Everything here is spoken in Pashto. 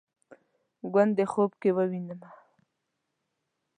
ګوندې خوب کې ووینمه